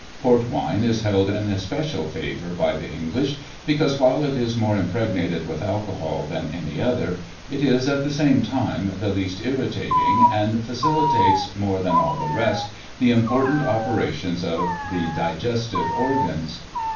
Port wine is held in especial favour by the English, because, while it is more impregnated with alcohol than any other, it is, at the same time the least irritating, and facilitates, more than all the rest, the important operations of the digestive organs.